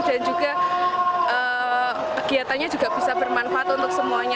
dan juga kegiatannya juga bisa bermanfaat untuk semuanya